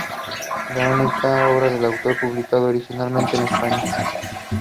Both versions displace and carry of lead ballast.